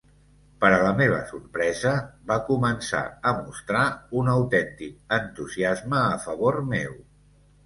Per a la meva sorpresa, va començar a mostrar un autèntic entusiasme a favor meu.